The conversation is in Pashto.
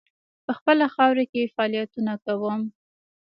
په خپله خاوره کې فعالیتونه کوم.